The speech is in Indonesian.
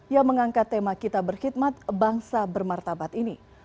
yang mengangkat tema kita berkhidmat bangsa bermartabat ini